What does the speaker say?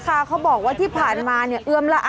แต่ทางฝ่ายของผู้ชายชาวเมียนมาเขาไม่ได้ให้